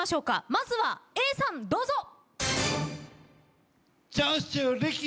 まずはＡさんどうぞ！え